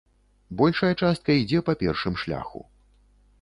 Большая частка ідзе па першым шляху.